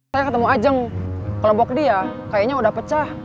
saya ketemu ajeng kelompok dia kayaknya udah pecah